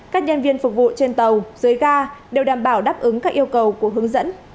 các nhân viên phục vụ trên tàu dưới ga đều đảm bảo đáp ứng các yêu cầu của hướng dẫn